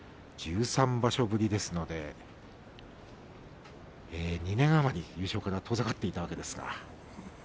１３場所ぶりですので２年余り優勝から遠ざかっていたわけですか。